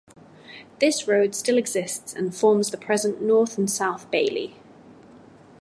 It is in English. This road still exists and forms the present North and South Bailey.